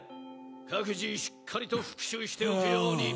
各自しっかりと復習しておくように。